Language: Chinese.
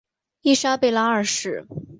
伊莎贝拉二世。